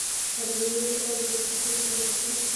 ازادي راډیو د د کار بازار د اغېزو په اړه ریپوټونه راغونډ کړي.